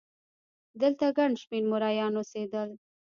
دلته ګڼ شمېر مریان اوسېدل.